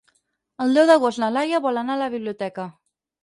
El deu d'agost na Laia vol anar a la biblioteca.